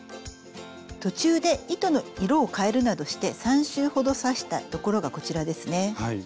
途中で糸の色をかえるなどして３周ほど刺した所がこちらですね。